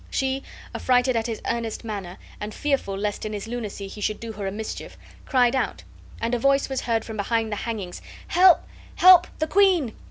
She, affrighted at his earnest manner, and fearful lest in his lunacy he should do her a mischief, cried out; and a voice was heard from behind the hangings, "Help, help' the queen!"